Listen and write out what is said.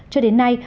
cho đến nay